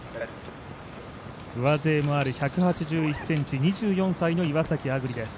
上背もあり１８１ｃｍ２４歳の岩崎亜久竜です。